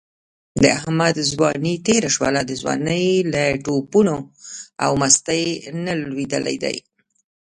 د احمد ځواني تېره شوله، د ځوانۍ له ټوپونو او مستۍ نه لوېدلی دی.